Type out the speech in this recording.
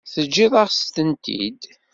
Teǧǧiḍ-as-tent-id?